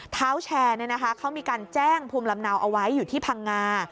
เท้าแชร์เขามีการแจ้งภูมิลำเนาเอาไว้อยู่ที่พังงา